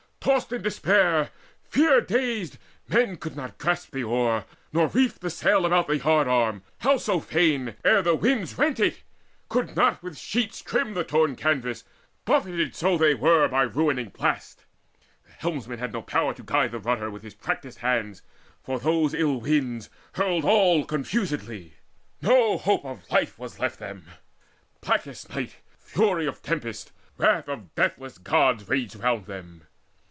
Tossed in despair, fear dazed, Men could not grasp the oar, nor reef the sail About the yard arm, howsoever fain, Ere the winds rent it, could not with the sheets Trim the torn canvas, buffeted so were they By ruining blasts. The helmsman had no power To guide the rudder with his practised hands, For those ill winds hurled all confusedly. No hope of life was left them: blackest night, Fury of tempest, wrath of deathless Gods, Raged round them.